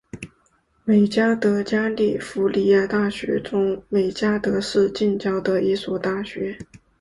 美熹德加利福尼亚大学中美熹德市近郊的一所大学。